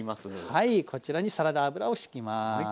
はいこちらにサラダ油をしきます。